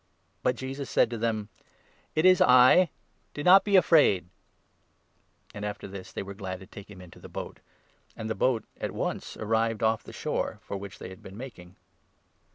But Jesus said to them :" It is I ; do not be afraid !" And after this they were glad to take him into the boat ; and the boat at once arrived off the shore, for which they had been making.